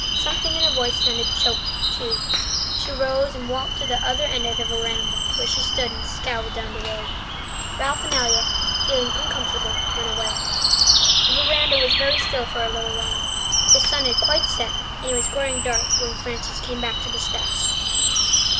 Something in her voice sounded choked too. She rose and walked to the other end of the verandah, where she stood and scowled down the road; Ralph and Elliott, feeling uncomfortable, went away. The verandah was very still for a little while. The sun had quite set, and it was growing dark when Frances came back to the steps.